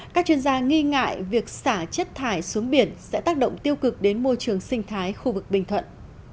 các chuyên gia nghi ngại việc xả chất thải xuống biển sẽ tác động tiêu cực đến môi trường sinh thái khu vực bình thuận